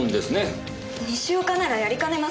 西岡ならやりかねません！